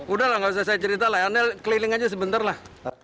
udah lah nggak usah saya cerita lah keling keliling aja sebentar lah